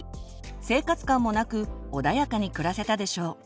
生活感もなく穏やかに暮らせたでしょう。